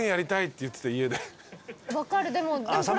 分かるでもこれ。